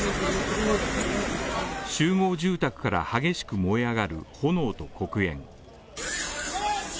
集合住宅から激しく燃え上がる炎と黒煙。